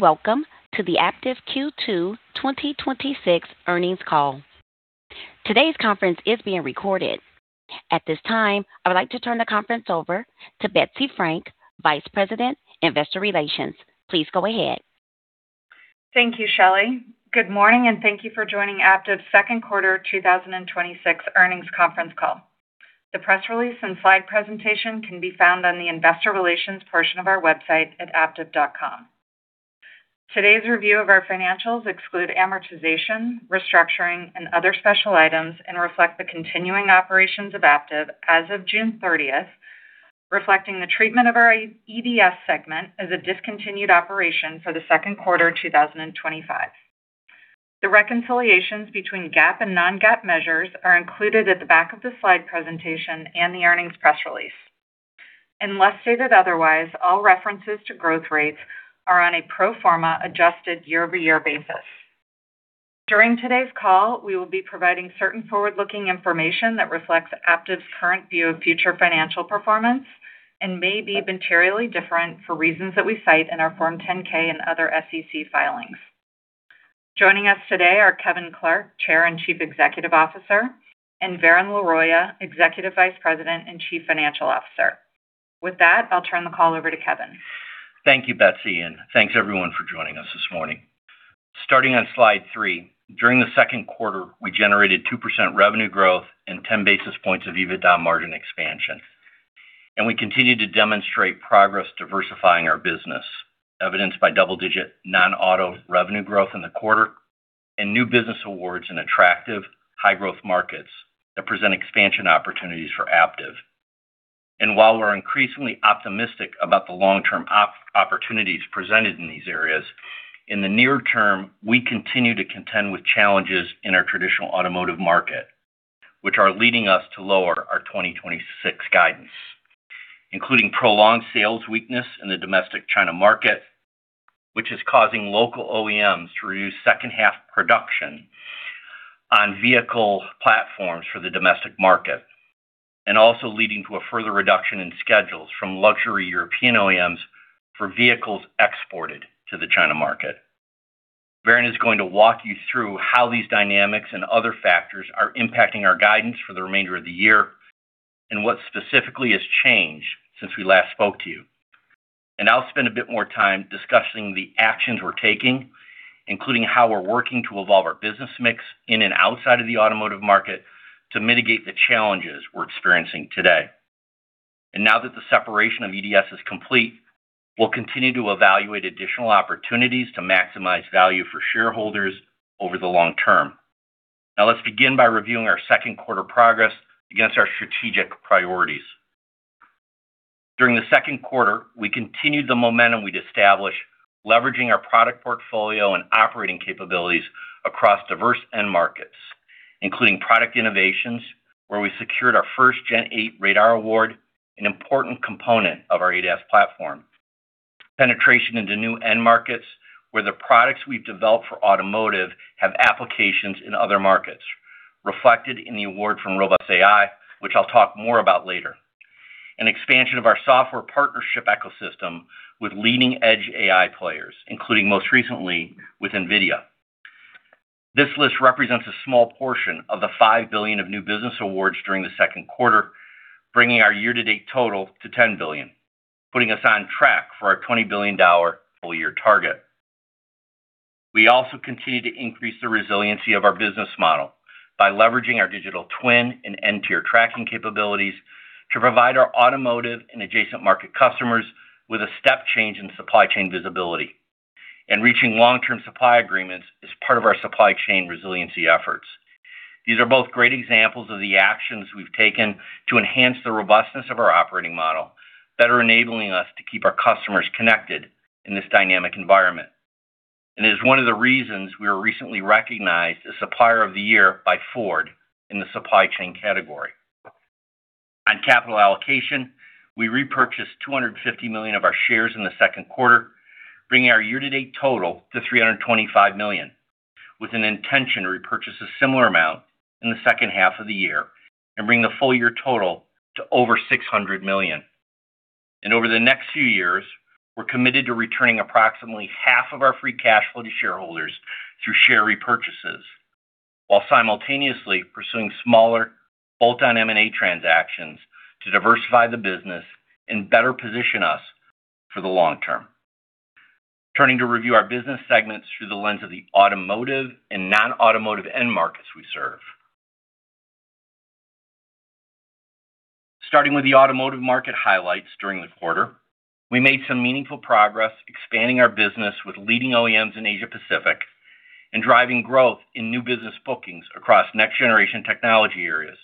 Welcome to the Aptiv Q2 2026 earnings call. Today's conference is being recorded. At this time, I would like to turn the conference over to Betsy Frank, Vice President, Investor Relations. Please go ahead. Thank you, Shelley. Good morning, thank you for joining Aptiv's second quarter 2026 earnings conference call. The press release and slide presentation can be found on the investor relations portion of our website at aptiv.com. Today's review of our financials exclude amortization, restructuring, and other special items, reflect the continuing operations of Aptiv as of June 30th, reflecting the treatment of our EDS segment as a discontinued operation for the second quarter 2025. The reconciliations between GAAP and non-GAAP measures are included at the back of the slide presentation and the earnings press release. Unless stated otherwise, all references to growth rates are on a pro forma adjusted year-over-year basis. During today's call, we will be providing certain forward-looking information that reflects Aptiv's current view of future financial performance and may be materially different for reasons that we cite in our Form 10-K and other SEC filings. Joining us today are Kevin Clark, Chair and Chief Executive Officer, Varun Laroyia, Executive Vice President and Chief Financial Officer. With that, I'll turn the call over to Kevin. Thank you, Betsy, thanks, everyone, for joining us this morning. Starting on slide three, during the second quarter, we generated 2% revenue growth and 10 basis points of EBITDA margin expansion. We continued to demonstrate progress diversifying our business, evidenced by double-digit non-auto revenue growth in the quarter and new business awards in attractive high-growth markets that present expansion opportunities for Aptiv. While we're increasingly optimistic about the long-term opportunities presented in these areas, in the near term, we continue to contend with challenges in our traditional automotive market, which are leading us to lower our 2026 guidance, including prolonged sales weakness in the domestic China market, which is causing local OEMs to reduce second half production on vehicle platforms for the domestic market, also leading to a further reduction in schedules from luxury European OEMs for vehicles exported to the China market. Varun is going to walk you through how these dynamics and other factors are impacting our guidance for the remainder of the year and what specifically has changed since we last spoke to you. I'll spend a bit more time discussing the actions we're taking, including how we're working to evolve our business mix in and outside of the automotive market to mitigate the challenges we're experiencing today. Now that the separation of EDS is complete, we'll continue to evaluate additional opportunities to maximize value for shareholders over the long term. Let's begin by reviewing our second quarter progress against our strategic priorities. During the second quarter, we continued the momentum we'd established, leveraging our product portfolio and operating capabilities across diverse end markets, including product innovations, where we secured our first Gen 8 Radar award, an important component of our ADAS platform. Penetration into new end markets, where the products we've developed for automotive have applications in other markets, reflected in the award from Robust.AI, which I'll talk more about later. An expansion of our software partnership ecosystem with leading-edge AI players, including most recently with NVIDIA. This list represents a small portion of the $5 billion of new business awards during the second quarter, bringing our year-to-date total to $10 billion, putting us on track for our $20 billion full-year target. We also continue to increase the resiliency of our business model by leveraging our digital twin and end-tier tracking capabilities to provide our automotive and adjacent market customers with a step change in supply chain visibility. Reaching long-term supply agreements is part of our supply chain resiliency efforts. These are both great examples of the actions we've taken to enhance the robustness of our operating model that are enabling us to keep our customers connected in this dynamic environment. It is one of the reasons we were recently recognized as Supplier of the Year by Ford in the supply chain category. On capital allocation, we repurchased $250 million of our shares in the second quarter, bringing our year-to-date total to $325 million, with an intention to repurchase a similar amount in the second half of the year and bring the full-year total to over $600 million. Over the next few years, we're committed to returning approximately half of our free cash flow to shareholders through share repurchases while simultaneously pursuing smaller bolt-on M&A transactions to diversify the business and better position us for the long term. Turning to review our business segments through the lens of the automotive and non-automotive end markets we serve. Starting with the automotive market highlights during the quarter. We made some meaningful progress expanding our business with leading OEMs in Asia Pacific and driving growth in new business bookings across next-generation technology areas,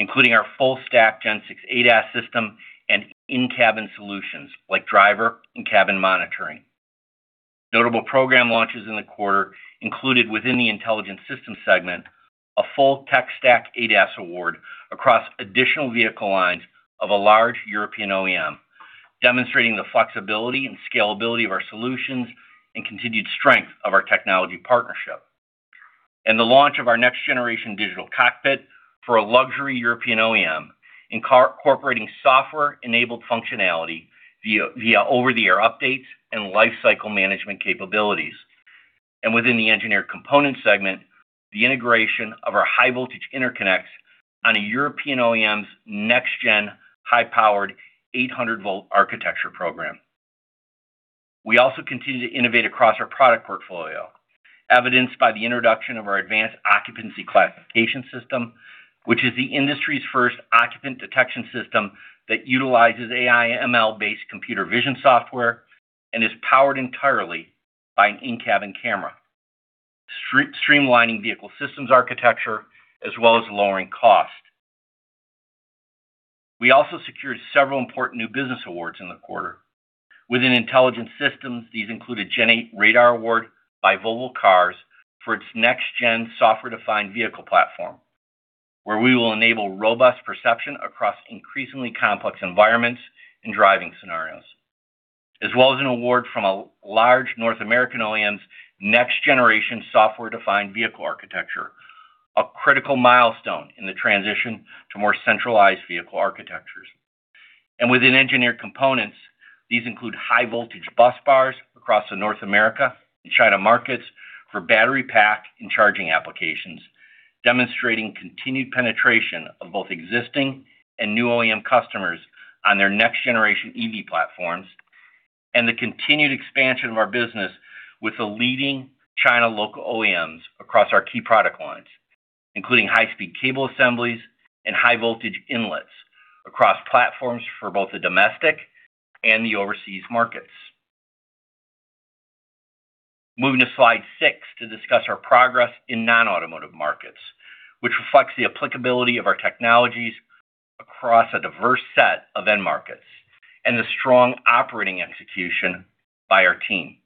including our full-stack Gen 6 ADAS system and in-cabin solutions like driver and cabin monitoring. Notable program launches in the quarter included within the Intelligent Systems segment, a full tech stack ADAS award across additional vehicle lines of a large European OEM, demonstrating the flexibility and scalability of our solutions and continued strength of our technology partnership. The launch of our next generation digital cockpit for a luxury European OEM, incorporating software-enabled functionality via over-the-air updates and lifecycle management capabilities. Within the Engineered Components segment, the integration of our high-voltage interconnects on a European OEM's next-gen high-powered 800 V architecture program. We also continue to innovate across our product portfolio, evidenced by the introduction of our advanced occupancy classification system, which is the industry's first occupant detection system that utilizes AI ML-based computer vision software and is powered entirely by an in-cabin camera, streamlining vehicle systems architecture as well as lowering cost. We also secured several important new business awards in the quarter. Within Intelligent Systems, these include a Gen 8 Radar award by Volvo Cars for its next-gen software-defined vehicle platform, where we will enable robust perception across increasingly complex environments and driving scenarios. As well as an award from a large North American OEM's next-generation software-defined vehicle architecture, a critical milestone in the transition to more centralized vehicle architectures. Within Engineered Components, these include high-voltage bus bars across the North America and China markets for battery pack and charging applications, demonstrating continued penetration of both existing and new OEM customers on their next-generation EV platforms. The continued expansion of our business with the leading China local OEMs across our key product lines, including high-speed cable assemblies and high-voltage inlets across platforms for both the domestic and the overseas markets. Moving to slide six to discuss our progress in non-automotive markets, which reflects the applicability of our technologies across a diverse set of end markets, and the strong operating execution by our team.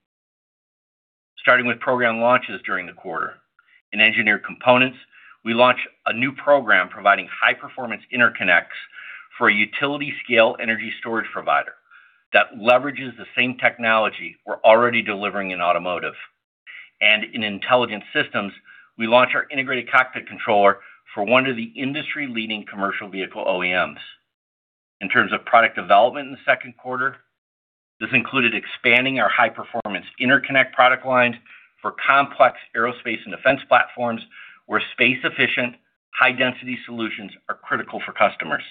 Starting with program launches during the quarter. In Engineered Components, we launched a new program providing high-performance interconnects for a utility-scale energy storage provider that leverages the same technology we're already delivering in automotive. In Intelligent Systems, we launched our integrated cockpit controller for one of the industry-leading commercial vehicle OEMs. In terms of product development in the second quarter, this included expanding our high-performance interconnect product lines for complex aerospace and defense platforms, where space-efficient, high-density solutions are critical for customers.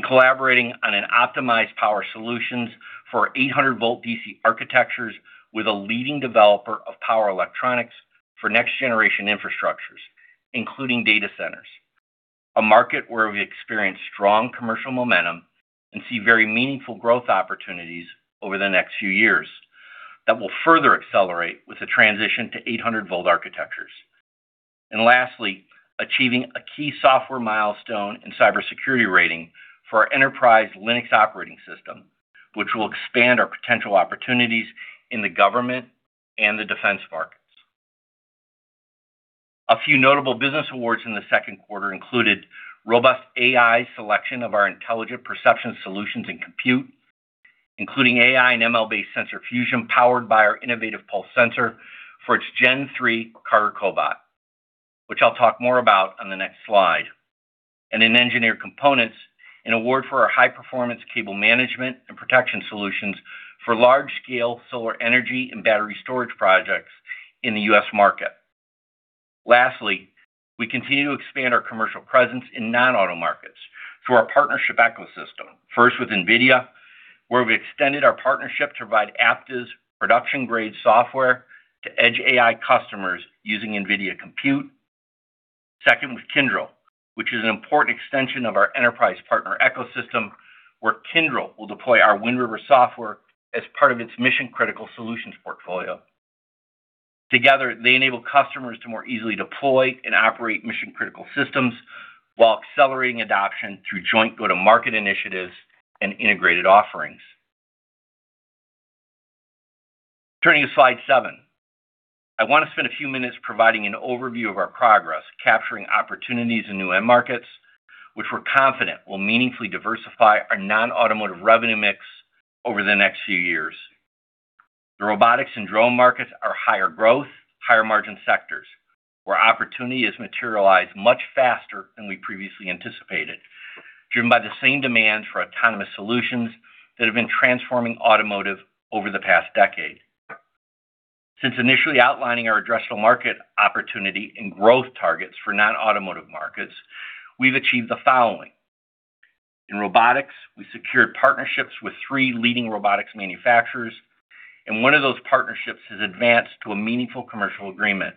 Collaborating on an optimized power solutions for 800 V DC architectures with a leading developer of power electronics for next-generation infrastructures, including data centers, a market where we experience strong commercial momentum and see very meaningful growth opportunities over the next few years that will further accelerate with the transition to 800 V architectures. Lastly, achieving a key software milestone in cybersecurity rating for our enterprise Linux operating system, which will expand our potential opportunities in the government and the defense markets. A few notable business awards in the second quarter included Robust.AI selection of our intelligent perception solutions and compute, including AI and ML-based sensor fusion powered by our innovative PULSE Sensor for its Gen 3 Carter Cobot, which I'll talk more about on the next slide. In Engineered Components, an award for our high-performance cable management and protection solutions for large-scale solar energy and battery storage projects in the U.S. market. Lastly, we continue to expand our commercial presence in non-auto markets through our partnership ecosystem. First with NVIDIA, where we extended our partnership to provide Aptiv's production-grade software to edge AI customers using NVIDIA Compute. Second with Kyndryl, which is an important extension of our enterprise partner ecosystem, where Kyndryl will deploy our Wind River software as part of its mission-critical solutions portfolio. Together, they enable customers to more easily deploy and operate mission critical systems while accelerating adoption through joint go-to-market initiatives and integrated offerings. Turning to slide seven. I want to spend a few minutes providing an overview of our progress capturing opportunities in new end markets, which we're confident will meaningfully diversify our non-automotive revenue mix over the next few years. The robotics and drone markets are higher growth, higher margin sectors where opportunity has materialized much faster than we previously anticipated, driven by the same demands for autonomous solutions that have been transforming automotive over the past decade. Since initially outlining our addressable market opportunity and growth targets for non-automotive markets, we've achieved the following. In robotics, we secured partnerships with three leading robotics manufacturers, and one of those partnerships has advanced to a meaningful commercial agreement,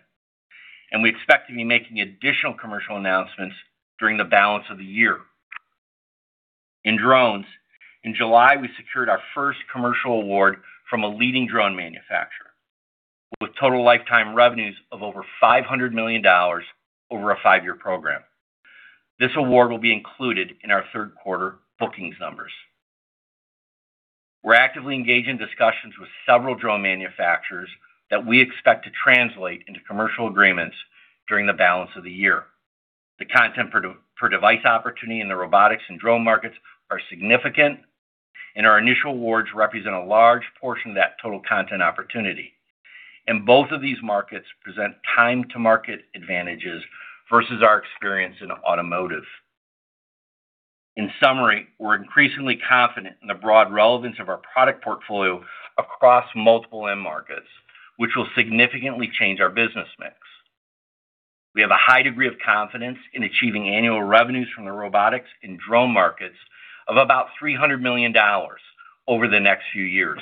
and we expect to be making additional commercial announcements during the balance of the year. In drones, in July, we secured our first commercial award from a leading drone manufacturer with total lifetime revenues of over $500 million over a five-year program. This award will be included in our third quarter bookings numbers. We're actively engaged in discussions with several drone manufacturers that we expect to translate into commercial agreements during the balance of the year. The content per device opportunity in the robotics and drone markets are significant. Our initial awards represent a large portion of that total content opportunity. Both of these markets present time-to-market advantages versus our experience in automotive. In summary, we're increasingly confident in the broad relevance of our product portfolio across multiple end markets, which will significantly change our business mix. We have a high degree of confidence in achieving annual revenues from the robotics and drone markets of about $300 million over the next few years.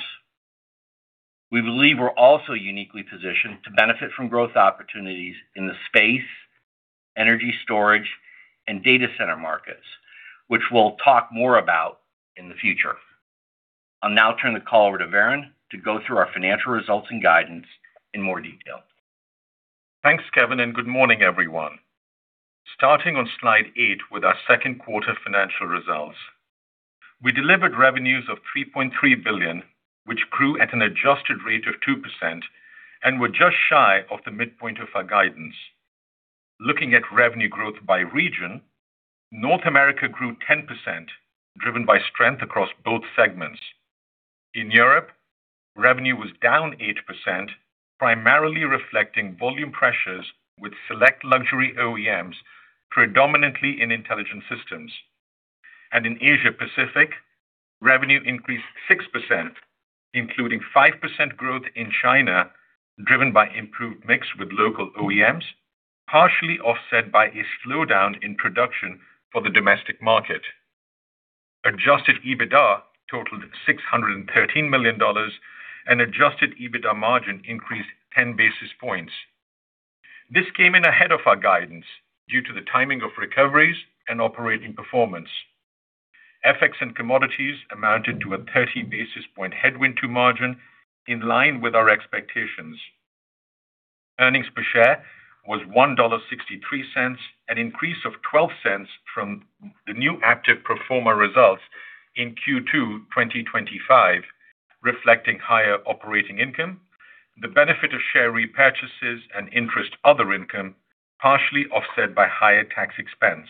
We believe we're also uniquely positioned to benefit from growth opportunities in the space, energy storage, and data center markets, which we'll talk more about in the future. I'll now turn the call over to Varun to go through our financial results and guidance in more detail. Thanks, Kevin, and good morning, everyone. Starting on slide eight with our second quarter financial results. We delivered revenues of $3.3 billion, which grew at an adjusted rate of 2% and were just shy of the midpoint of our guidance. Looking at revenue growth by region, North America grew 10%, driven by strength across both segments. In Europe, revenue was down 8%, primarily reflecting volume pressures with select luxury OEMs, predominantly in Intelligent Systems. In Asia Pacific, revenue increased 6%, including 5% growth in China, driven by improved mix with local OEMs, partially offset by a slowdown in production for the domestic market. Adjusted EBITDA totaled $613 million, and adjusted EBITDA margin increased 10 basis points. This came in ahead of our guidance due to the timing of recoveries and operating performance. FX and commodities amounted to a 30 basis point headwind to margin in line with our expectations. Earnings per share was $1.63, an increase of $0.12 from the New Aptiv pro forma results in Q2 2025, reflecting higher operating income, the benefit of share repurchases, and interest other income, partially offset by higher tax expense.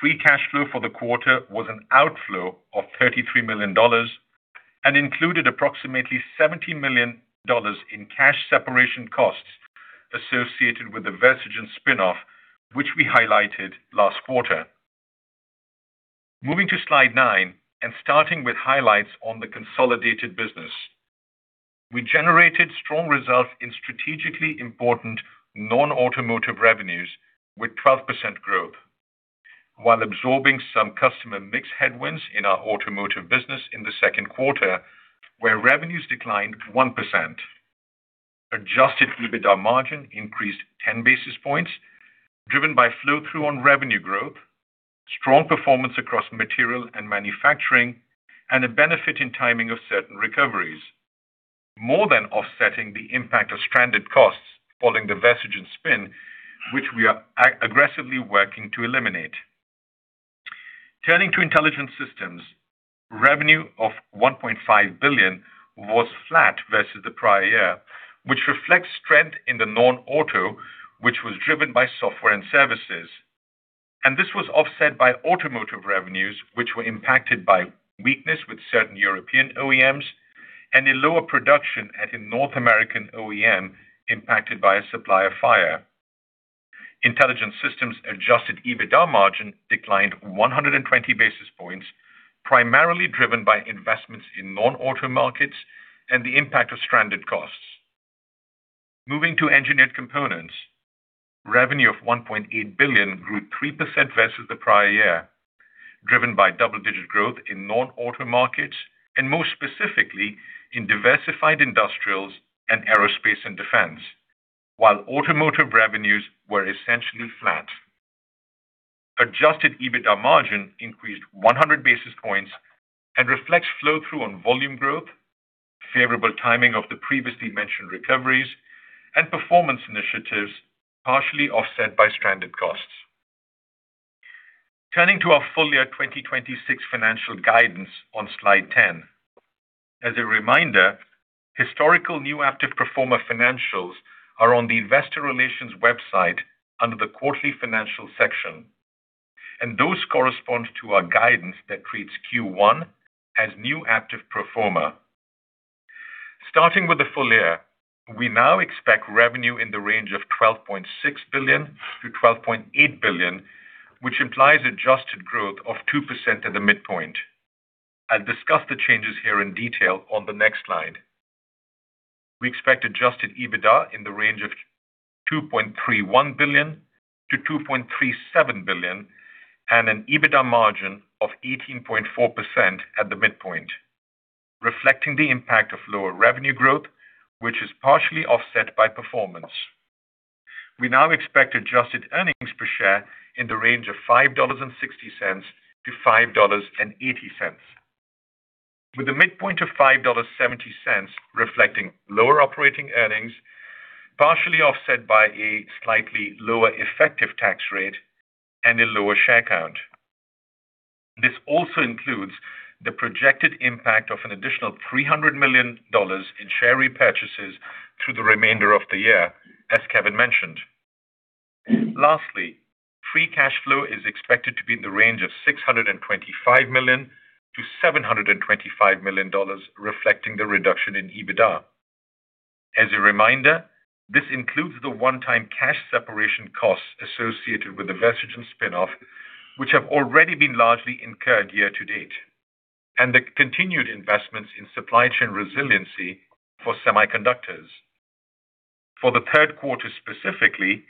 Free cash flow for the quarter was an outflow of $33 million and included approximately $70 million in cash separation costs associated with the Versigent spinoff, which we highlighted last quarter. Moving to slide nine and starting with highlights on the consolidated business. We generated strong results in strategically important non-automotive revenues with 12% growth, while absorbing some customer mix headwinds in our automotive business in the second quarter, where revenues declined 1%. Adjusted EBITDA margin increased 10 basis points, driven by flow-through on revenue growth, strong performance across material and manufacturing, and a benefit in timing of certain recoveries, more than offsetting the impact of stranded costs following the Versigent spin, which we are aggressively working to eliminate. Turning to Intelligent Systems, revenue of $1.5 billion was flat versus the prior year, which reflects strength in the non-auto, which was driven by software and services. This was offset by automotive revenues, which were impacted by weakness with certain European OEMs and a lower production at a North American OEM impacted by a supplier fire. Intelligent Systems adjusted EBITDA margin declined 120 basis points, primarily driven by investments in non-auto markets and the impact of stranded costs. Moving to Engineered Components, revenue of $1.8 billion grew 3% versus the prior year, driven by double-digit growth in non-auto markets and most specifically in diversified industrials and aerospace and defense. While automotive revenues were essentially flat. Adjusted EBITDA margin increased 100 basis points and reflects flow-through on volume growth, favorable timing of the previously mentioned recoveries, and performance initiatives partially offset by stranded costs. Turning to our full-year 2026 financial guidance on slide 10. As a reminder, historical New Aptiv pro forma financials are on the investor relations website under the quarterly financial section. Those correspond to our guidance that treats Q1 as New Aptiv pro forma. Starting with the full-year, we now expect revenue in the range of $12.6 billion to $12.8 billion, which implies adjusted growth of 2% at the midpoint. I'll discuss the changes here in detail on the next slide. We expect adjusted EBITDA in the range of $2.31 billion to $2.37 billion and an EBITDA margin of 18.4% at the midpoint, reflecting the impact of lower revenue growth, which is partially offset by performance. We now expect adjusted earnings per share in the range of $5.60-$5.80, with a midpoint of $5.70 reflecting lower operating earnings, partially offset by a slightly lower effective tax rate and a lower share count. This also includes the projected impact of an additional $300 million in share repurchases through the remainder of the year, as Kevin mentioned. Lastly, free cash flow is expected to be in the range of $625 million-$725 million, reflecting the reduction in EBITDA As a reminder, this includes the one-time cash separation costs associated with the Versigent spin-off, which have already been largely incurred year-to-date, and the continued investments in supply chain resiliency for semiconductors. For the third quarter specifically,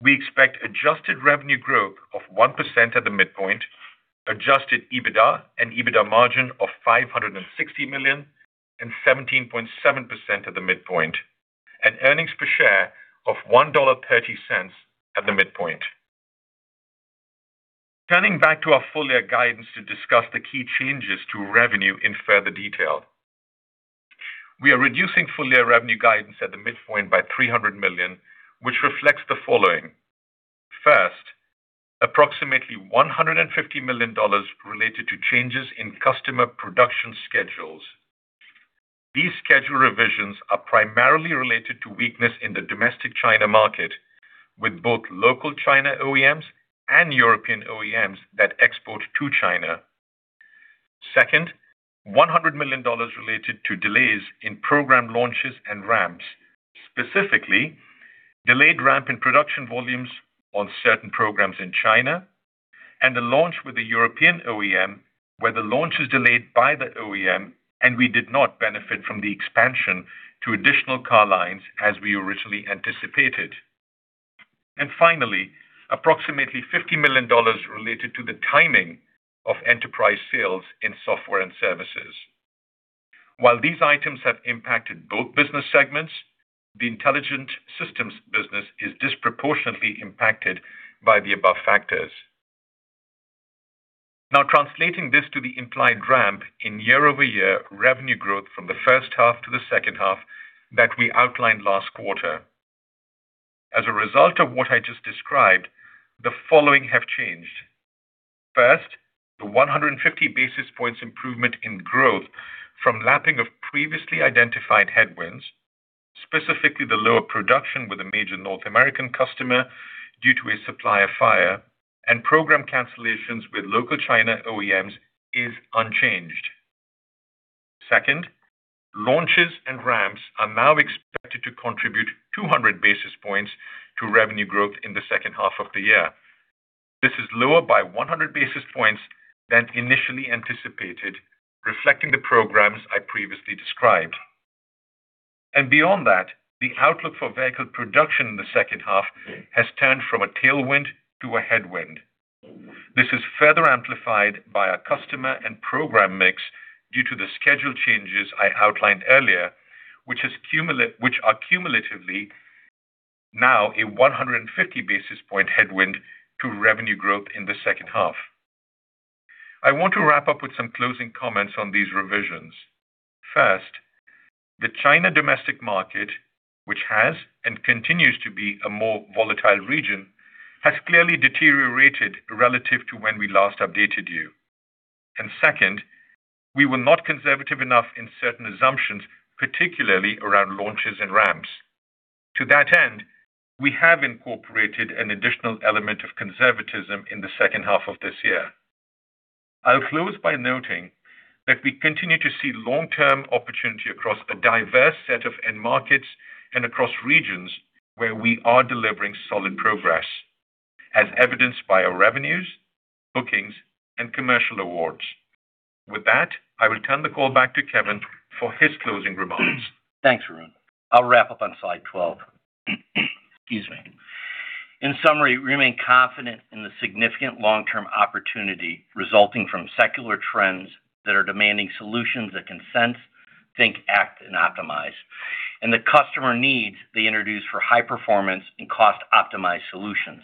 we expect adjusted revenue growth of 1% at the midpoint, adjusted EBITDA and EBITDA margin of $560 million and 17.7% at the midpoint, and earnings per share of $1.30 at the midpoint. Turning back to our full-year guidance to discuss the key changes to revenue in further detail. We are reducing full-year revenue guidance at the midpoint by $300 million, which reflects the following. First, approximately $150 million related to changes in customer production schedules. These schedule revisions are primarily related to weakness in the domestic China market, with both local China OEMs and European OEMs that export to China. Second, $100 million related to delays in program launches and ramps. Specifically, delayed ramp in production volumes on certain programs in China and the launch with a European OEM where the launch is delayed by the OEM, we did not benefit from the expansion to additional car lines as we originally anticipated. Finally, approximately $50 million related to the timing of enterprise sales in software and services. While these items have impacted both business segments, the Intelligent Systems business is disproportionately impacted by the above factors. Now translating this to the implied ramp in year-over-year revenue growth from the first half to the second half that we outlined last quarter. As a result of what I just described, the following have changed. First, the 150 basis points improvement in growth from lapping of previously identified headwinds, specifically the lower production with a major North American customer due to a supplier fire and program cancellations with local China OEMs is unchanged. Second, launches and ramps are now expected to contribute 200 basis points to revenue growth in the second half of the year. This is lower by 100 basis points than initially anticipated, reflecting the programs I previously described. Beyond that, the outlook for vehicle production in the second half has turned from a tailwind to a headwind. This is further amplified by our customer and program mix due to the schedule changes I outlined earlier, which are cumulatively now a 150 basis point headwind to revenue growth in the second half. I want to wrap up with some closing comments on these revisions. First, the China domestic market, which has and continues to be a more volatile region, has clearly deteriorated relative to when we last updated you. Second, we were not conservative enough in certain assumptions, particularly around launches and ramps. To that end, we have incorporated an additional element of conservatism in the second half of this year. I'll close by noting that we continue to see long-term opportunity across a diverse set of end markets and across regions where we are delivering solid progress, as evidenced by our revenues, bookings, and commercial awards. With that, I will turn the call back to Kevin for his closing remarks. Thanks, Varun. I'll wrap up on slide 12. Excuse me. In summary, we remain confident in the significant long-term opportunity resulting from secular trends that are demanding solutions that can sense, think, act, and optimize, and the customer needs they introduce for high performance and cost-optimized solutions.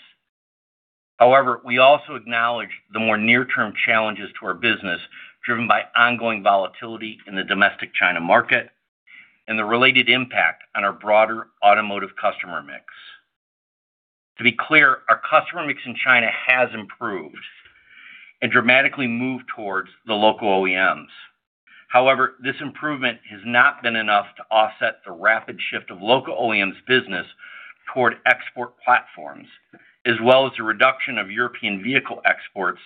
We also acknowledge the more near-term challenges to our business, driven by ongoing volatility in the domestic China market and the related impact on our broader automotive customer mix. To be clear, our customer mix in China has improved and dramatically moved towards the local OEMs. This improvement has not been enough to offset the rapid shift of local OEMs business toward export platforms, as well as the reduction of European vehicle exports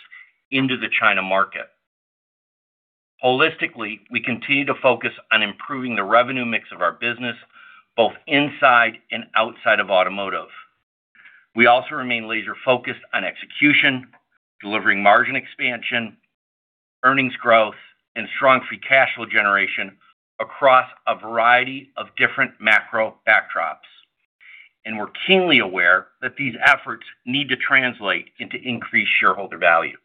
into the China market. Holistically, we continue to focus on improving the revenue mix of our business both inside and outside of automotive. We also remain laser-focused on execution, delivering margin expansion, earnings growth, and strong free cash flow generation across a variety of different macro backdrops. We're keenly aware that these efforts need to translate into increased shareholder value.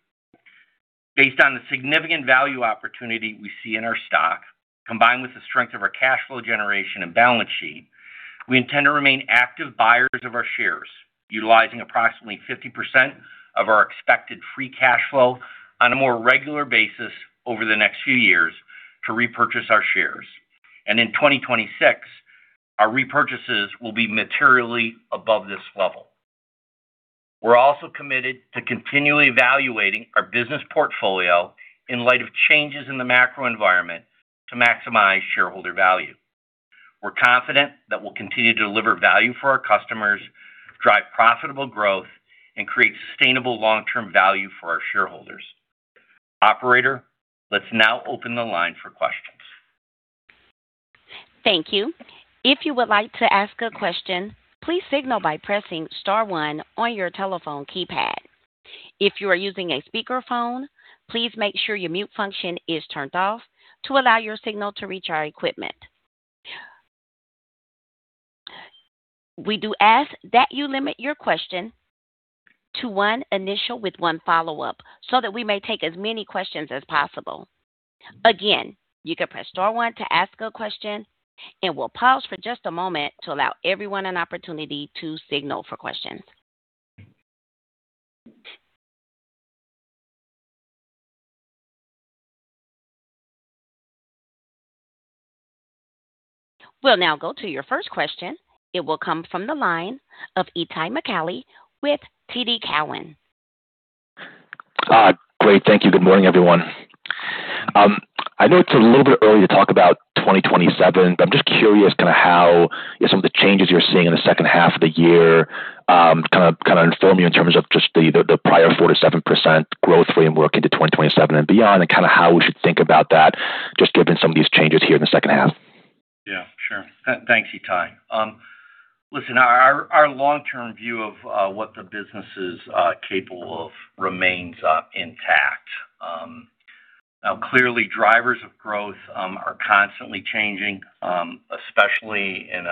Based on the significant value opportunity we see in our stock, combined with the strength of our cash flow generation and balance sheet, we intend to remain active buyers of our shares, utilizing approximately 50% of our expected free cash flow on a more regular basis over the next few years to repurchase our shares. In 2026, our repurchases will be materially above this level. We're also committed to continually evaluating our business portfolio in light of changes in the macro environment to maximize shareholder value. We're confident that we'll continue to deliver value for our customers, drive profitable growth, and create sustainable long-term value for our shareholders. Operator, let's now open the line for questions. Thank you. If you would like to ask a question, please signal by pressing star one on your telephone keypad. If you are using a speakerphone, please make sure your mute function is turned off to allow your signal to reach our equipment. We do ask that you limit your question to one initial with one follow-up so that we may take as many questions as possible. Again, you can press star one to ask a question, and we'll pause for just a moment to allow everyone an opportunity to signal for questions. We'll now go to your first question. It will come from the line of Itay Michaeli with TD Cowen. Great. Thank you. Good morning, everyone. I know it's a little bit early to talk about 2027, but I'm just curious how some of the changes you're seeing in the second half of the year kind of inform you in terms of just the prior 4%-7% growth rate and look into 2027 and beyond and how we should think about that, just given some of these changes here in the second half. Yeah, sure. Thanks, Itay. Listen, our long-term view of what the business is capable of remains intact. Clearly, drivers of growth are constantly changing, especially in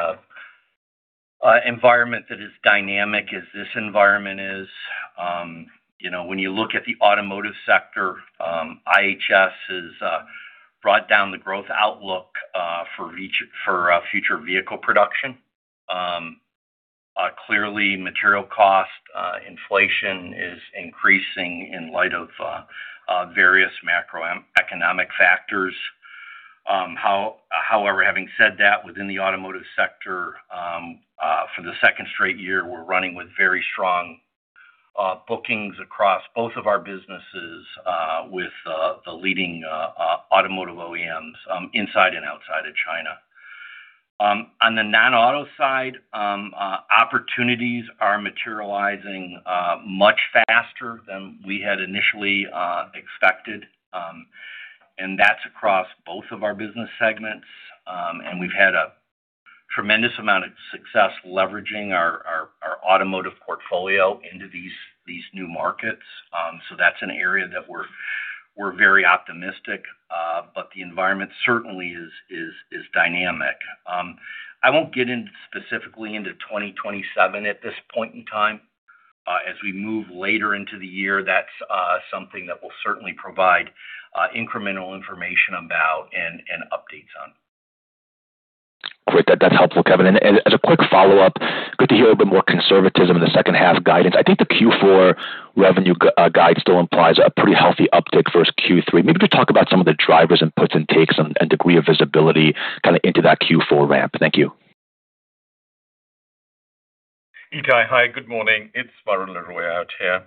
an environment that is dynamic as this environment is. When you look at the automotive sector, IHS has brought down the growth outlook for future vehicle production. Clearly, material cost inflation is increasing in light of various macroeconomic factors. Having said that, within the automotive sector, for the second straight year, we're running with very strong bookings across both of our businesses with the leading automotive OEMs inside and outside of China. On the non-auto side, opportunities are materializing much faster than we had initially expected, and that's across both of our business segments. We've had a tremendous amount of success leveraging our automotive portfolio into these new markets. That's an area that we're very optimistic. The environment certainly is dynamic. I won't get specifically into 2027 at this point in time. As we move later into the year, that's something that we'll certainly provide incremental information about and updates on. Great. That's helpful, Kevin. As a quick follow-up, good to hear a bit more conservatism in the second half guidance. I think the Q4 revenue guide still implies a pretty healthy uptick versus Q3. Maybe just talk about some of the drivers, inputs, and takes, and degree of visibility into that Q4 ramp. Thank you. Itay, hi, good morning. It's Varun Laroyia out here.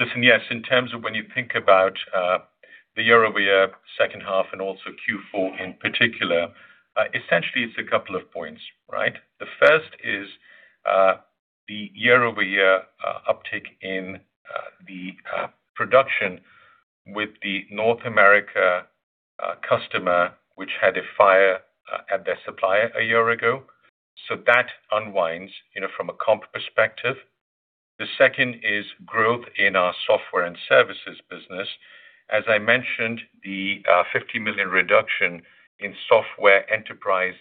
Listen, yes, in terms of when you think about the year-over-year second half and also Q4 in particular, essentially it's a couple of points, right? The first is the year-over-year uptick in the production with the North America customer, which had a fire at their supplier a year ago. That unwinds from a comp perspective. The second is growth in our software and services business. As I mentioned, the $50 million reduction in software enterprise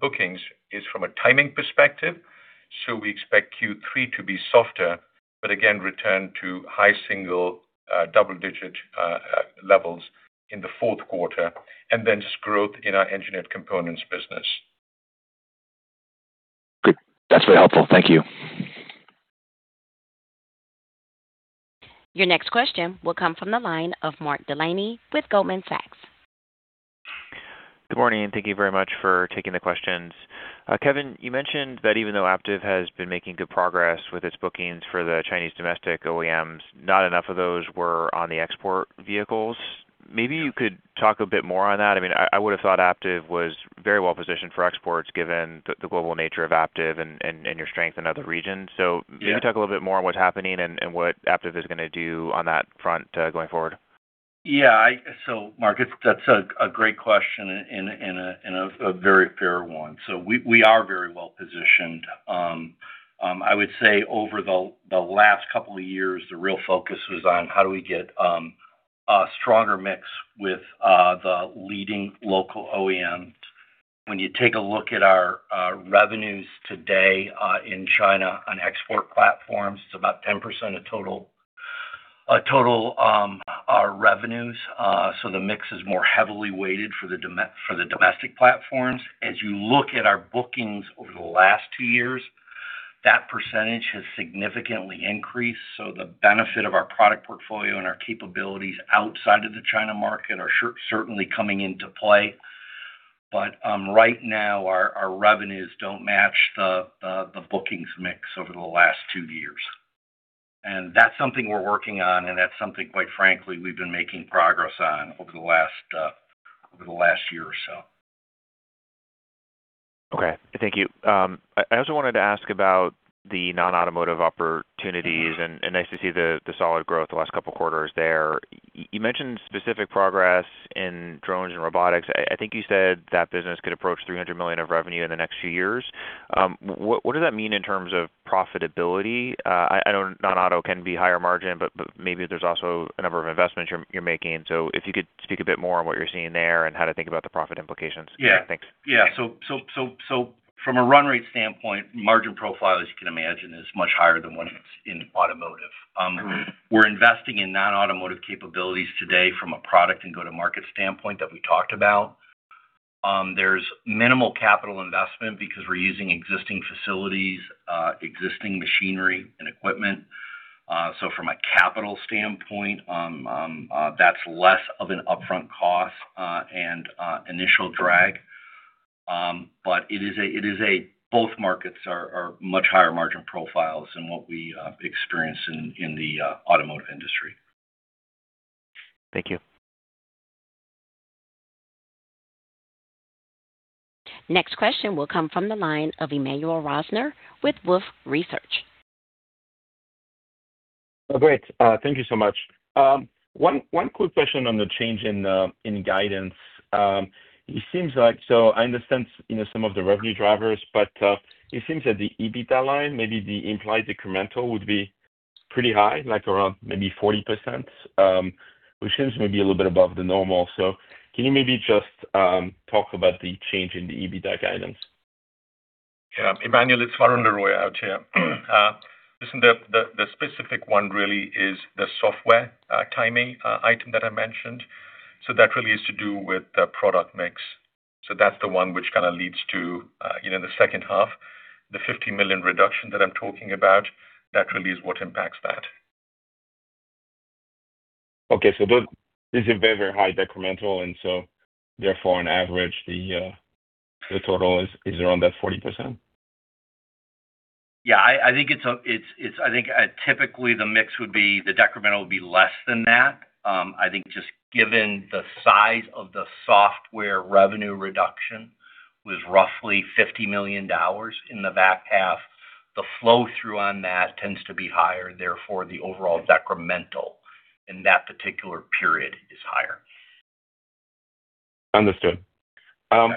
bookings is from a timing perspective. We expect Q3 to be softer, but again, return to high single, double-digit levels in the fourth quarter, and then just growth in our Engineered Components business. Great. That's very helpful. Thank you. Your next question will come from the line of Mark Delaney with Goldman Sachs. Good morning, and thank you very much for taking the questions. Kevin, you mentioned that even though Aptiv has been making good progress with its bookings for the Chinese domestic OEMs, not enough of those were on the export vehicles. Maybe you could talk a bit more on that. I would have thought Aptiv was very well-positioned for exports, given the global nature of Aptiv and your strength in other regions. Maybe talk a little bit more on what's happening and what Aptiv is going to do on that front going forward. Mark, that's a great question and a very fair one. We are very well-positioned. I would say over the last couple of years, the real focus was on how do we get a stronger mix with the leading local OEMs. When you take a look at our revenues today in China on export platforms, it's about 10% of total revenues. The mix is more heavily weighted for the domestic platforms. As you look at our bookings over the last two years, that percentage has significantly increased. The benefit of our product portfolio and our capabilities outside of the China market are certainly coming into play. Right now, our revenues don't match the bookings mix over the last two years. That's something we're working on, and that's something, quite frankly, we've been making progress on over the last year or so. Okay. Thank you. I also wanted to ask about the non-automotive opportunities and nice to see the solid growth the last couple quarters there. You mentioned specific progress in drones and robotics. I think you said that business could approach $300 million of revenue in the next few years. What does that mean in terms of profitability? I know non-auto can be higher margin, but maybe there's also a number of investments you're making. If you could speak a bit more on what you're seeing there and how to think about the profit implications. Yeah. Thanks. From a run rate standpoint, margin profile, as you can imagine, is much higher than when it's in automotive. We're investing in non-automotive capabilities today from a product and go-to-market standpoint that we talked about. There's minimal capital investment because we're using existing facilities, existing machinery and equipment. From a capital standpoint, that's less of an upfront cost and initial drag. Both markets are much higher margin profiles than what we experience in the automotive industry. Thank you. Next question will come from the line of Emmanuel Rosner with Wolfe Research. Great. Thank you so much. One quick question on the change in guidance. I understand some of the revenue drivers, it seems that the EBITDA line, maybe the implied incremental would be pretty high, like around maybe 40%, which seems maybe a little bit above the normal. Can you maybe just talk about the change in the EBITDA guidance? Yeah. Emmanuel, it's Varun Laroyia out here. Listen, the specific one really is the software timing item that I mentioned. That really is to do with product mix. That's the one which kind of leads to the second half. The $50 million reduction that I'm talking about, that really is what impacts that. Okay. This is a very high incremental, therefore, on average, the total is around that 40%? Yeah, I think typically the mix would be, the decremental would be less than that. I think just given the size of the software revenue reduction was roughly $50 million in the back half, the flow-through on that tends to be higher, therefore the overall decremental in that particular period is higher. Understood. Okay.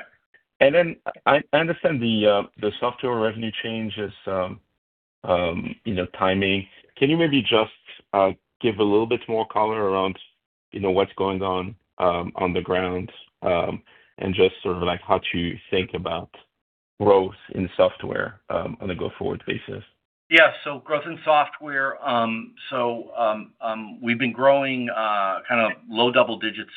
I understand the software revenue change is timing. Can you maybe just give a little bit more color around what's going on the ground, and just sort of like how to think about growth in software on a go-forward basis? Yeah. Growth in software, we've been growing high-single-digit,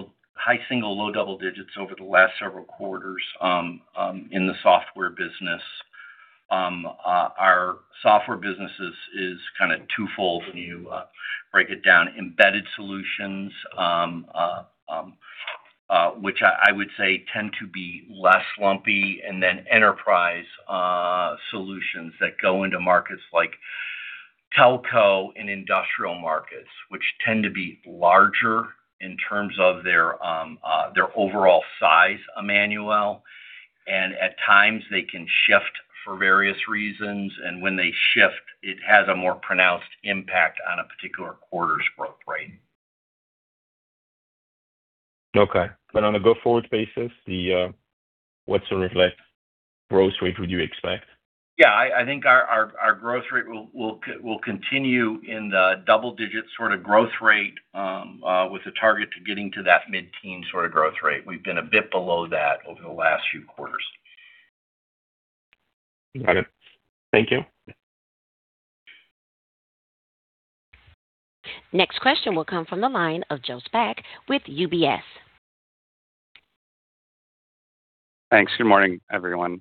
low-double-digits over the last several quarters in the software business. Our software business is kind of twofold when you break it down: embedded solutions, which I would say tend to be less lumpy, then enterprise solutions that go into markets like telco and industrial markets, which tend to be larger in terms of their overall size, Emmanuel. At times they can shift for various reasons, and when they shift, it has a more pronounced impact on a particular quarter's growth, right? Okay. On a go-forward basis, what sort of like growth rate would you expect? Yeah, I think our growth rate will continue in the double-digit sort of growth rate, with a target to getting to that mid-teen sort of growth rate. We've been a bit below that over the last few quarters. Got it. Thank you. Next question will come from the line of Joe Spak with UBS. Thanks. Good morning, everyone.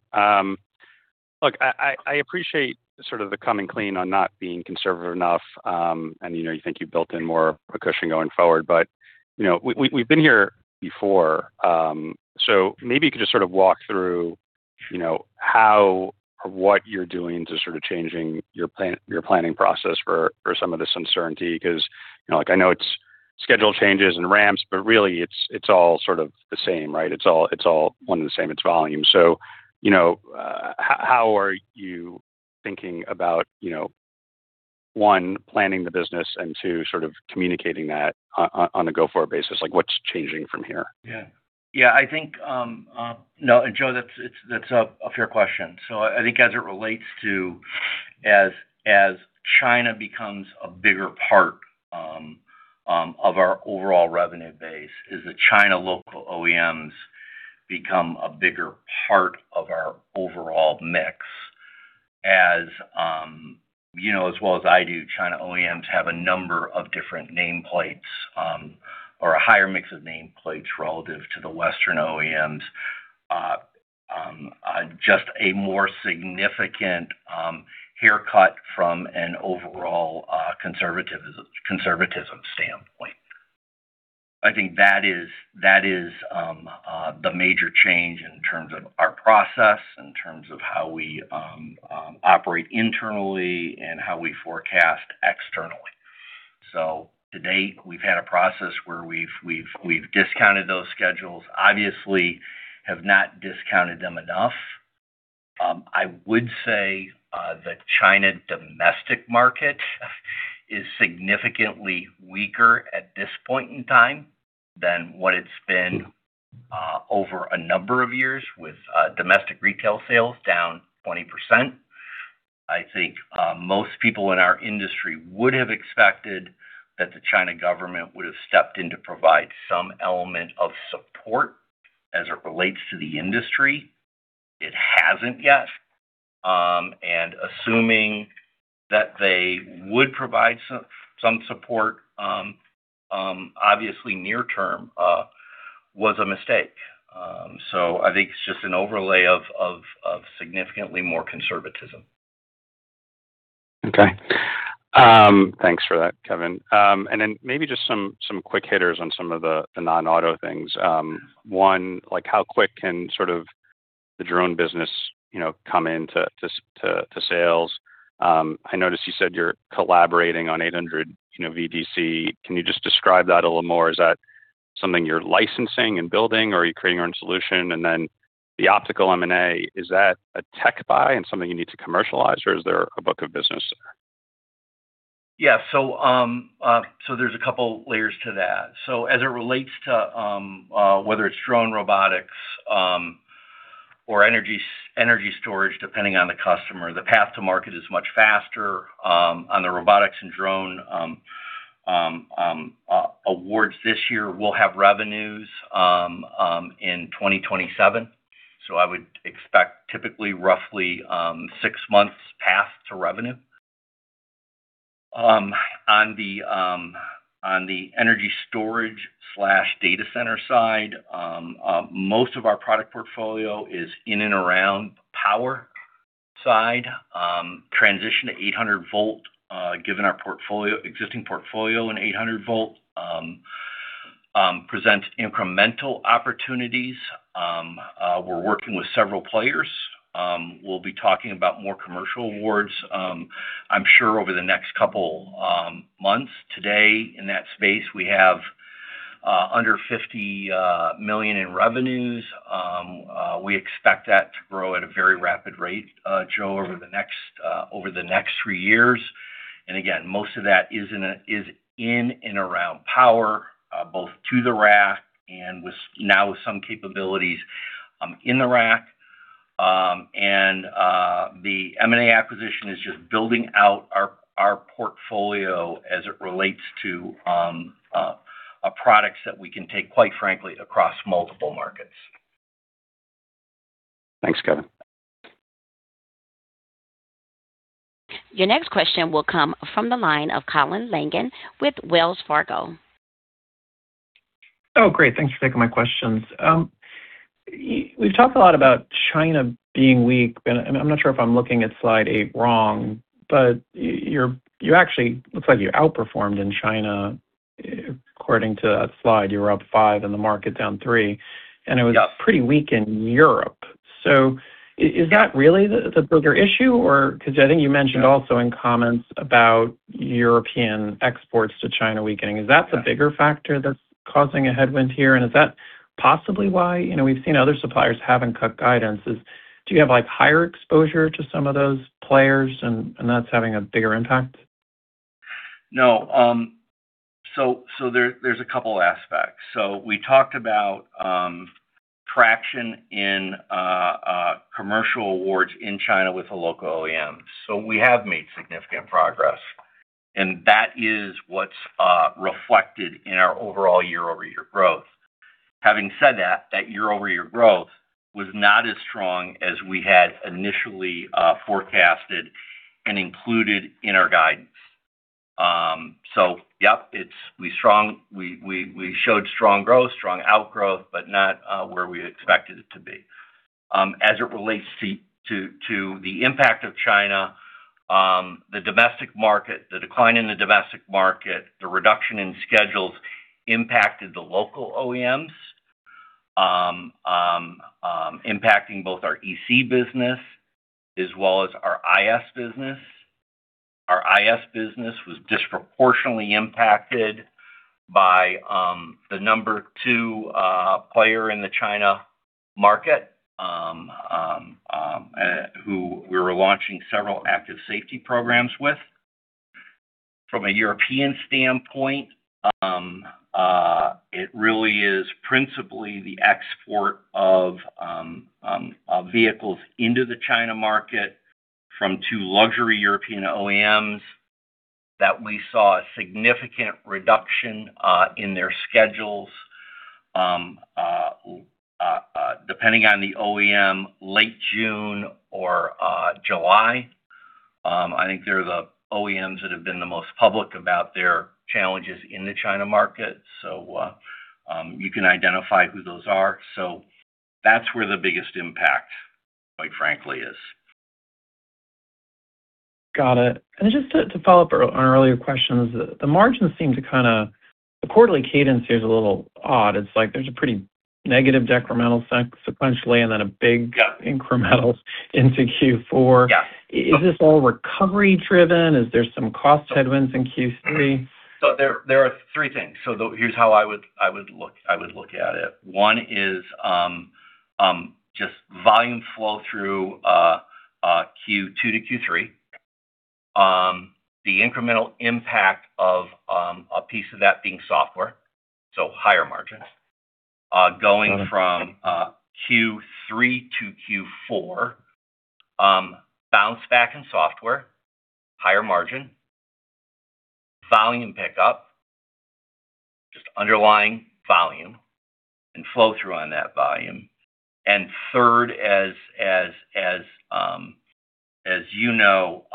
Look, I appreciate sort of the coming clean on not being conservative enough. You think you've built in more of a cushion going forward. We've been here before. Maybe you could just sort of walk through how or what you're doing to sort of changing your planning process for some of this uncertainty. I know it's schedule changes and ramps, but really it's all sort of the same, right? It's all one and the same. It's volume. How are you thinking about, one, planning the business and two, sort of communicating that on a go-forward basis? Like, what's changing from here? Yeah. I think, Joe, that's a fair question. I think as it relates to as China becomes a bigger part of our overall revenue base, as the China local OEMs become a bigger part of our overall mix. You know as well as I do, China OEMs have a number of different nameplates or a higher mix of nameplates relative to the Western OEMs. Just a more significant haircut from an overall conservatism stamp. I think that is the major change in terms of our process, in terms of how we operate internally, and how we forecast externally. To date, we've had a process where we've discounted those schedules, obviously have not discounted them enough. I would say the China domestic market is significantly weaker at this point in time than what it's been over a number of years, with domestic retail sales down 20%. I think most people in our industry would have expected that the China government would have stepped in to provide some element of support as it relates to the industry. It hasn't yet. Assuming that they would provide some support, obviously near term, was a mistake. I think it's just an overlay of significantly more conservatism. Okay. Thanks for that, Kevin. Then maybe just some quick hitters on some of the non-auto things. One, how quick can sort of the drone business come into sales? I noticed you said you're collaborating on 800 VDC. Can you just describe that a little more? Is that something you're licensing and building, or are you creating your own solution? Then the optical M&A, is that a tech buy and something you need to commercialize, or is there a book of business there? Yeah. There's a couple layers to that. As it relates to whether it's drone robotics or energy storage, depending on the customer, the path to market is much faster. On the robotics and drone awards this year, we'll have revenues in 2027. I would expect typically roughly six months path to revenue. On the energy storage/data center side, most of our product portfolio is in and around power side. Transition to 800 V, given our existing portfolio in 800 V present incremental opportunities. We're working with several players. We'll be talking about more commercial awards, I'm sure, over the next couple months. Today, in that space, we have under $50 million in revenues. We expect that to grow at a very rapid rate, Joe, over the next three years. Again, most of that is in and around power, both to the rack and now with some capabilities in the rack. The M&A acquisition is just building out our portfolio as it relates to products that we can take, quite frankly, across multiple markets. Thanks, Kevin. Your next question will come from the line of Colin Langan with Wells Fargo. Great. Thanks for taking my questions. I'm not sure if I'm looking at slide eight wrong, you actually, looks like you outperformed in China. According to that slide, you were up five and the market down three. Yeah. It was pretty weak in Europe. Is that really the bigger issue, or because I think you mentioned also in comments about European exports to China weakening? Is that the bigger factor that's causing a headwind here? Is that possibly why we've seen other suppliers haven't cut guidance, do you have higher exposure to some of those players and that's having a bigger impact? No. There's a couple aspects. We talked about traction in commercial awards in China with the local OEMs. We have made significant progress, and that is what's reflected in our overall year-over-year growth. Having said that year-over-year growth was not as strong as we had initially forecasted and included in our guidance. Yep, we showed strong growth, strong outgrowth, but not where we expected it to be. As it relates to the impact of China, the domestic market, the decline in the domestic market, the reduction in schedules impacted the local OEMs, impacting both our EC business as well as our IS business. Our IS business was disproportionately impacted by the number two player in the China market, who we were launching several active safety programs with. From a European standpoint, it really is principally the export of vehicles into the China market from two luxury European OEMs that we saw a significant reduction in their schedules, depending on the OEM, late June or July. I think they're the OEMs that have been the most public about their challenges in the China market, so you can identify who those are. That's where the biggest impact, quite frankly, is. Got it. Just to follow up on our earlier questions, the margins seem to kind of the quarterly cadence here is a little odd. It's like there's a pretty negative decremental sequentially and then a big incremental into Q4. Yeah. Is this all recovery-driven? Is there some cost headwinds in Q3? There are three things. Here's how I would look at it. One is just volume flow through Q2 to Q3. The incremental impact of a piece of that being software, so higher margins. Going from Q3 to Q4, bounce back in software, higher margin, volume pick up, just underlying volume and flow-through on that volume. Third, as you know,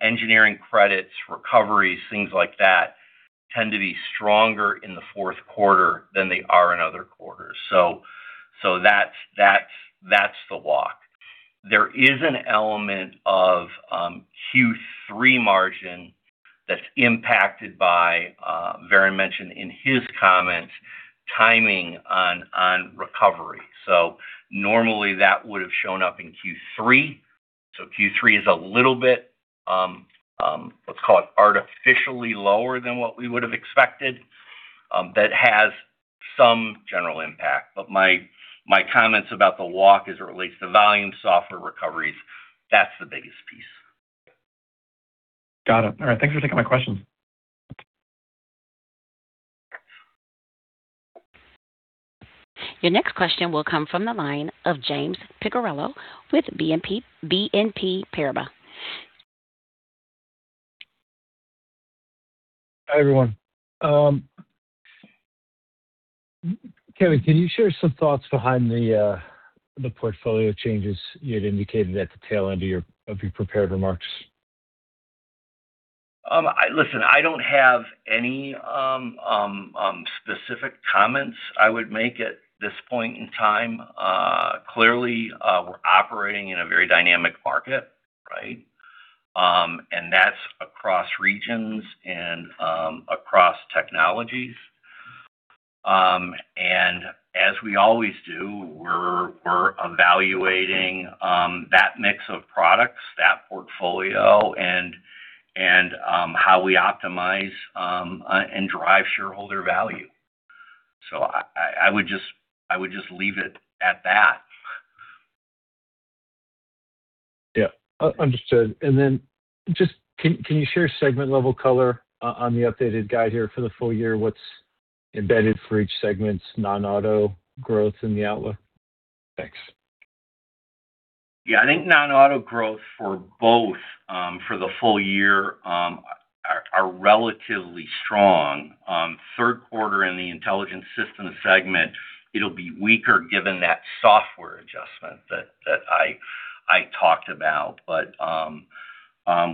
engineering credits, recoveries, things like that tend to be stronger in the fourth quarter than they are in other quarters. That's the walk. There is an element of Q3 margin that's impacted by, Varun mentioned in his comments, timing on recovery. Normally that would have shown up in Q3. Q3 is a little bit, let's call it artificially lower than what we would have expected. That has some general impact. My comments about the walk as it relates to volume software recoveries, that's the biggest piece. Got it. All right. Thanks for taking my questions. Your next question will come from the line of James Picariello with BNP Paribas. Hi, everyone. Kevin, can you share some thoughts behind the portfolio changes you had indicated at the tail end of your prepared remarks? Listen, I don't have any specific comments I would make at this point in time. Clearly, we're operating in a very dynamic market, right? That's across regions and across technologies. As we always do, we're evaluating that mix of products, that portfolio, and how we optimize and drive shareholder value. I would just leave it at that. Yeah. Understood. Then just, can you share segment-level color on the updated guide here for the full-year? What's embedded for each segment's non-auto growth in the outlook? Thanks. Yeah. I think non-auto growth for both for the full-year are relatively strong. Third quarter in the Intelligent Systems segment, it'll be weaker given that software adjustment that I talked about.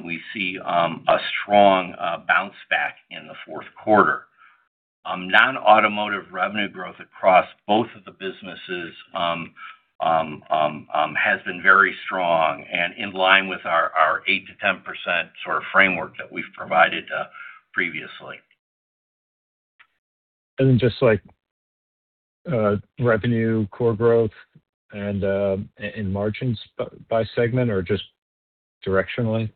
We see a strong bounce back in the fourth quarter. Non-automotive revenue growth across both of the businesses has been very strong and in line with our 8%-10% sort of framework that we've provided previously. Just like revenue core growth and margins by segment or just directionally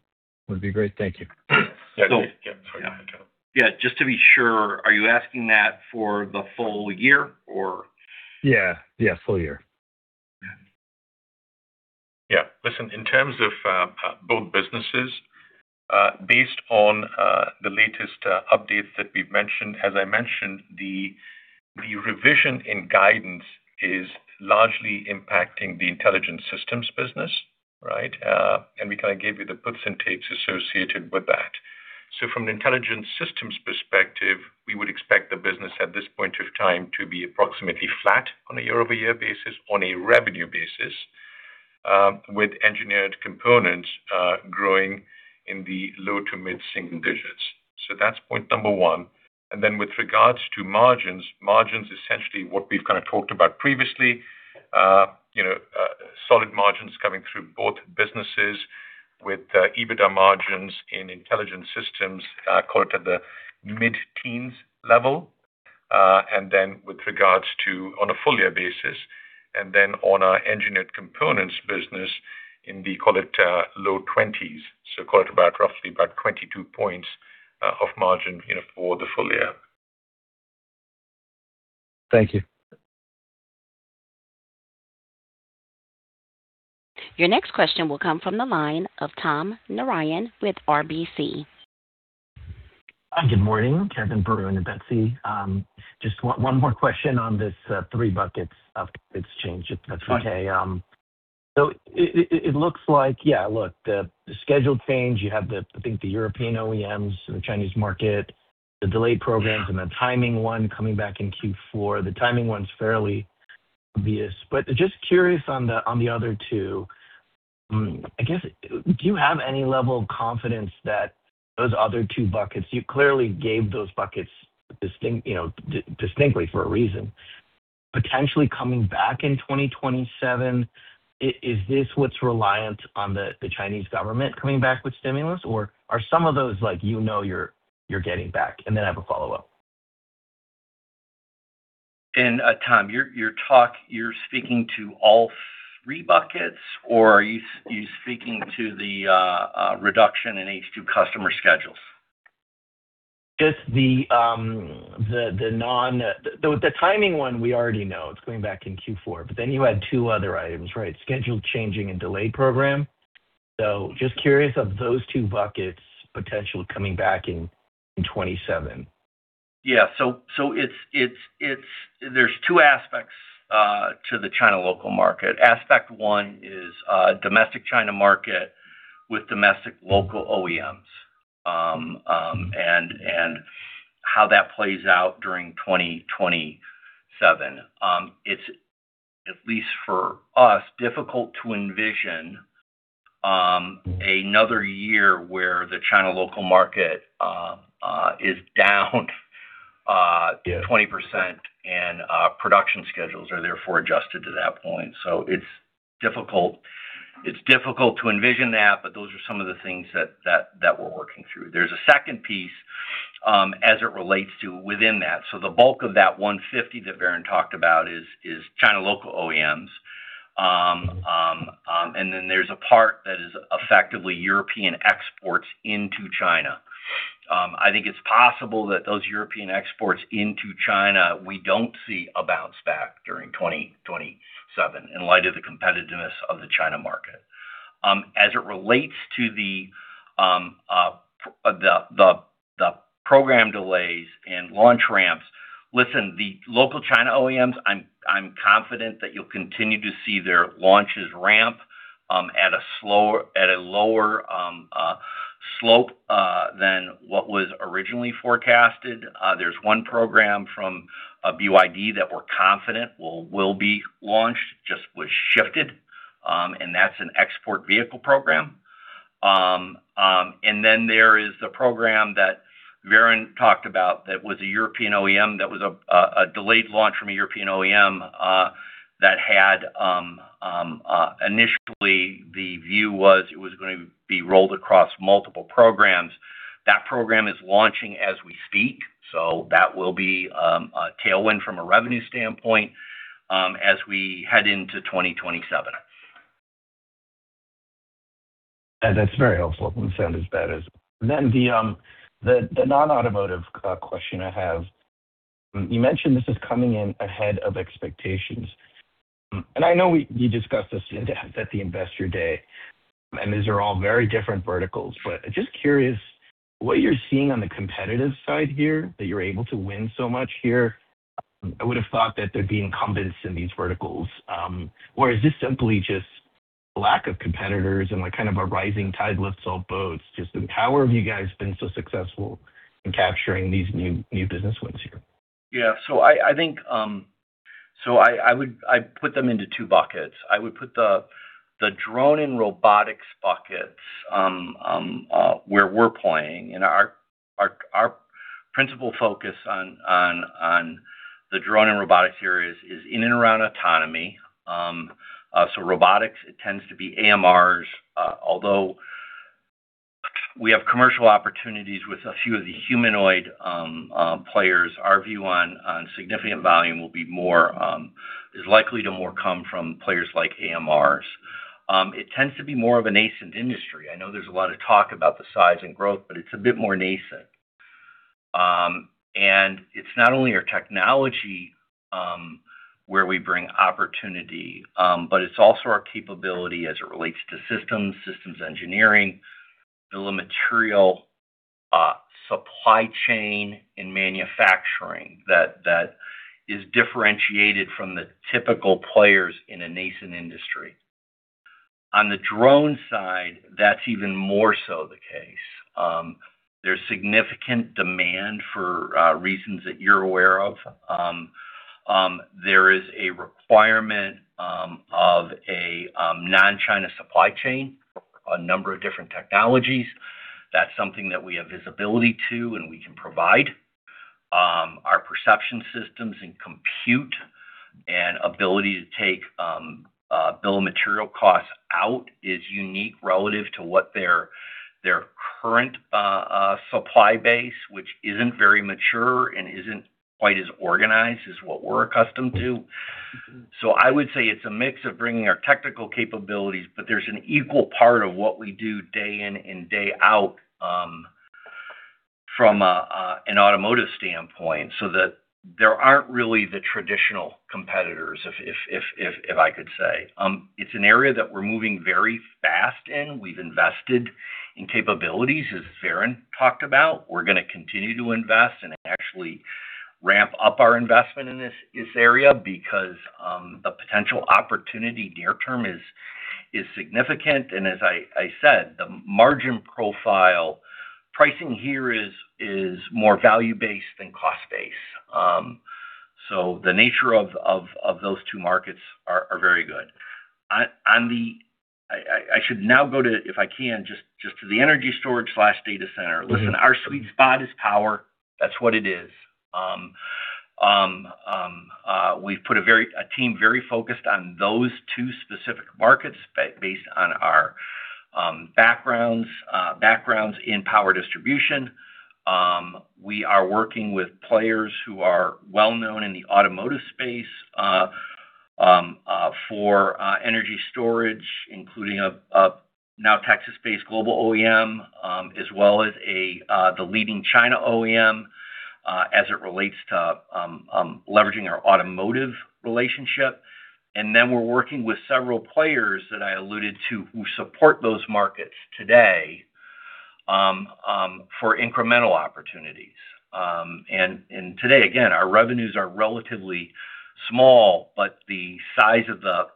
would be great. Thank you. So- Yeah. Yeah, just to be sure, are you asking that for the full-year or? Yeah. Full-year. Yeah. Listen, in terms of both businesses, based on the latest updates that we've mentioned, as I mentioned, the revision in guidance is largely impacting the Intelligent Systems business, right? We kind of gave you the puts and takes associated with that. From an Intelligent Systems perspective, we would expect the business at this point of time to be approximately flat on a year-over-year basis on a revenue basis, with Engineered Components growing in the low to mid single digits. That's point number one. With regards to margins, essentially what we've kind of talked about previously, solid margins coming through both businesses with EBITDA margins in Intelligent Systems, call it at the mid-teens level. With regards to on a full-year basis, on our Engineered Components business in the, call it, low twenties. Call it roughly about 22 points of margin for the full-year. Thank you. Your next question will come from the line of Tom Narayan with RBC. Good morning, Kevin, Varun, and Betsy. Just one more question on this three buckets of this change, if that's okay. Sure. It looks like, yeah, look, the scheduled change, you have, I think, the European OEMs, the Chinese market, the delayed programs, Yeah The timing one coming back in Q4. The timing one's fairly obvious. Just curious on the other two, I guess, do you have any level of confidence that those other two buckets? You clearly gave those buckets distinctly for a reason. Potentially coming back in 2027, is this what's reliant on the Chinese government coming back with stimulus, or are some of those like you know you're getting back? I have a follow-up. Tom, you're speaking to all three buckets, or are you speaking to the reduction in H2 customer schedules? The timing one we already know. It's coming back in Q4. You had two other items, right? Schedule changing and delayed program. Just curious of those two buckets potentially coming back in 2027. Yeah. There's two aspects to the China local market. Aspect one is domestic China market with domestic local OEMs, and how that plays out during 2027. It's, at least for us, difficult to envision another year where the China local market is down 20% and production schedules are therefore adjusted to that point. It's difficult to envision that, but those are some of the things that we're working through. There's a second piece as it relates to within that. The bulk of that 150 that Varun talked about is China local OEMs. There's a part that is effectively European exports into China. I think it's possible that those European exports into China, we don't see a bounce back during 2027 in light of the competitiveness of the China market. As it relates to the program delays and launch ramps, listen, the local China OEMs, I'm confident that you'll continue to see their launches ramp at a lower slope than what was originally forecasted. There's one program from BYD that we're confident will be launched, just was shifted, and that's an export vehicle program. There is the program that Varun talked about that was a European OEM, that was a delayed launch from a European OEM, that had initially the view was it was going to be rolled across multiple programs. That program is launching as we speak, so that will be a tailwind from a revenue standpoint as we head into 2027. That's very helpful. Doesn't sound as bad as-- The non-automotive question I have, you mentioned this is coming in ahead of expectations. I know you discussed this at the Investor Day, and these are all very different verticals, but just curious what you're seeing on the competitive side here that you're able to win so much here. I would've thought that there'd be incumbents in these verticals. Is this simply just lack of competitors and kind of a rising tide lifts all boats? How have you guys been so successful in capturing these new business wins here? Yeah. I put them into two buckets. I would put the drone and robotics buckets, where we're playing, and our principal focus on the drone and robotics here is in and around autonomy. Robotics, it tends to be AMRs. Although we have commercial opportunities with a few of the humanoid players, our view on significant volume is likely to more come from players like AMRs. It tends to be more of a nascent industry. I know there's a lot of talk about the size and growth, but it's a bit more nascent. It's not only our technology where we bring opportunity, but it's also our capability as it relates to systems engineering, bill of material, supply chain, and manufacturing that is differentiated from the typical players in a nascent industry. On the drone side, that's even more so the case. There's significant demand for reasons that you're aware of. There is a requirement of a non-China supply chain for a number of different technologies. That's something that we have visibility to and we can provide. Our perception systems and compute and ability to take bill of material costs out is unique relative to what their current supply base, which isn't very mature and isn't quite as organized as what we're accustomed to. I would say it's a mix of bringing our technical capabilities, but there's an equal part of what we do day in and day out from an automotive standpoint, so that there aren't really the traditional competitors, if I could say. It's an area that we're moving very fast in. We've invested in capabilities, as Varun talked about. We're going to continue to invest and actually ramp up our investment in this area because the potential opportunity near term is significant. As I said, the margin profile pricing here is more value-based than cost-based. The nature of those two markets are very good. I should now go to, if I can, just to the energy storage/data center. Listen, our sweet spot is power. That's what it is. We've put a team very focused on those two specific markets based on our backgrounds in power distribution. We are working with players who are well-known in the automotive space for energy storage, including now Texas-based global OEM, as well as the leading China OEM as it relates to leveraging our automotive relationship. We're working with several players that I alluded to who support those markets today for incremental opportunities. Today, again, our revenues are relatively small, but the size of the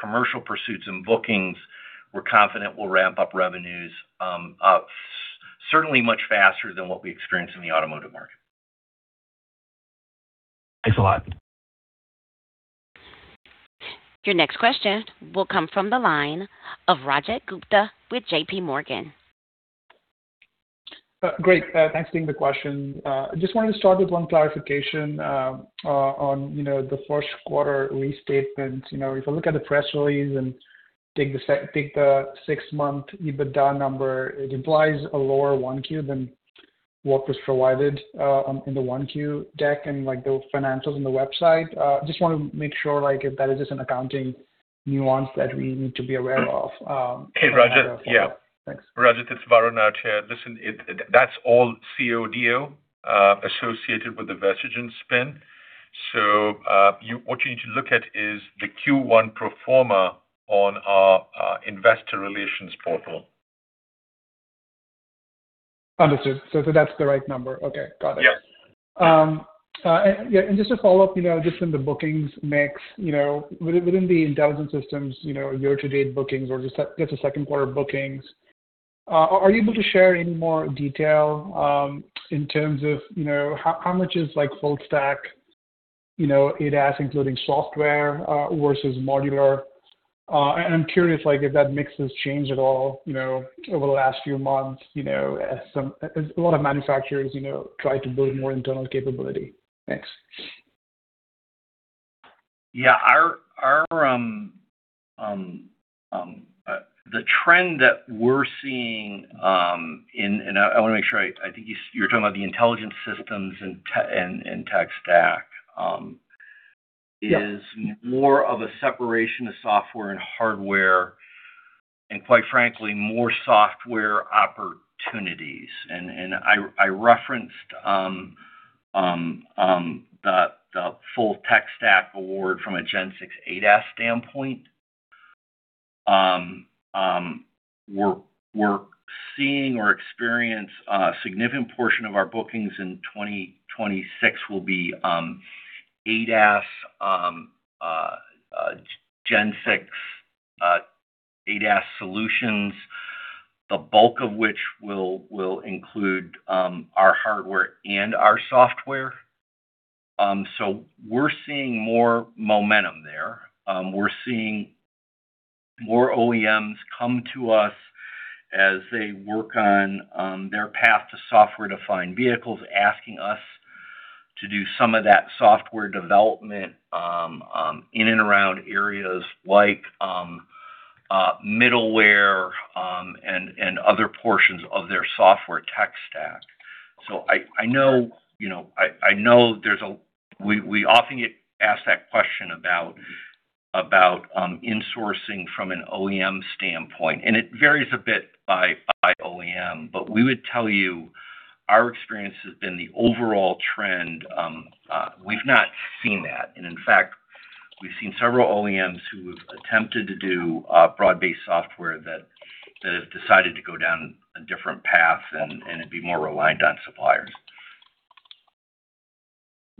commercial pursuits and bookings, we're confident will ramp up revenues certainly much faster than what we experienced in the automotive market. Thanks a lot. Your next question will come from the line of Rajat Gupta with JPMorgan. Great. Thanks for taking the question. Just wanted to start with one clarification on the first quarter restatement. If I look at the press release and take the six-month EBITDA number, it implies a lower 1Q than what was provided in the 1Q deck and the financials on the website. Just want to make sure if that is just an accounting nuance that we need to be aware of? Hey, Rajat. Yeah as a matter of follow-up. Thanks. Rajat, it's Varun out here. Listen, that's all CODO associated with the Versigent spin. What you need to look at is the Q1 pro forma on our investor relations portal. Understood. That's the right number. Okay. Got it. Yeah. Just to follow up, just in the bookings mix, within the Intelligent Systems, year-to-date bookings or just get to second quarter bookings, are you able to share any more detail in terms of how much is full stack ADAS including software versus modular? I'm curious if that mix has changed at all over the last few months as a lot of manufacturers try to build more internal capability. Thanks. Yeah. The trend that we're seeing, and I want to make sure, I think you're talking about the Intelligent Systems and tech stack? Yeah is more of a separation of software and hardware, and quite frankly, more software opportunities. I referenced the full tech stack award from a Gen 6 ADAS standpoint. We're seeing or experience a significant portion of our bookings in 2026 will be ADAS, Gen 6 ADAS solutions, the bulk of which will include our hardware and our software. We're seeing more momentum there. We're seeing more OEMs come to us as they work on their path to software-defined vehicles, asking us to do some of that software development in and around areas like middleware and other portions of their software tech stack. I know we often get asked that question about insourcing from an OEM standpoint, and it varies a bit by OEM, but we would tell you our experience has been the overall trend, we've not seen that. In fact, we've seen several OEMs who have attempted to do broad-based software that have decided to go down a different path and to be more reliant on suppliers.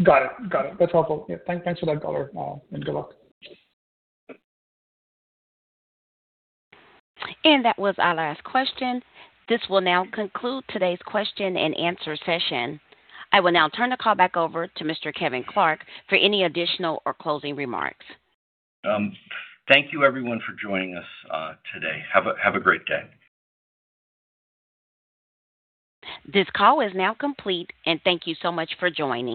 Got it. That's helpful. Yeah, thanks for that color, and good luck. That was our last question. This will now conclude today's question and answer session. I will now turn the call back over to Mr. Kevin Clark for any additional or closing remarks. Thank you everyone for joining us today. Have a great day. This call is now complete, and thank you so much for joining.